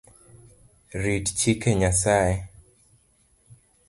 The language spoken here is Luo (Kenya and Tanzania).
Rit chike Nyasaye